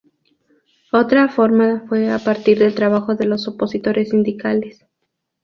Otra forma fue a partir del trabajo de los opositores sindicales.